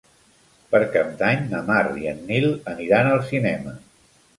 Per Cap d'Any na Mar i en Nil aniran al cinema.